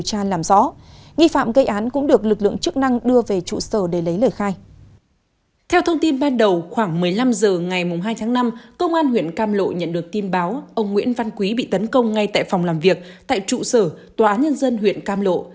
bây giờ ngày hai tháng năm công an huyện cam lộ nhận được tin báo ông nguyễn văn quý bị tấn công ngay tại phòng làm việc tại trụ sở tòa án nhân dân huyện cam lộ